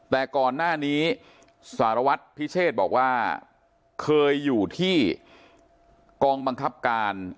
แต่ก่อนหน้านี้สารวัตรพิเชษบอกว่าเคยอยู่ที่กองบังคับการ